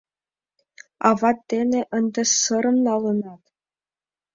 Ават дене ынде сырым налынат.